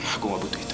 aku gak butuh itu